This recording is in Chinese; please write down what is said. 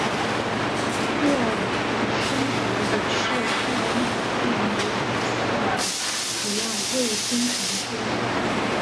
沃尔森德也是泰恩河畔纽卡斯尔的主要卫星城之一。